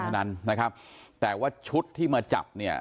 เท่านั้นนะครับแต่ว่าชุดที่มาจับเนี่ย